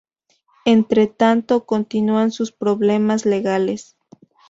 Entretanto, continúan sus problemas legales.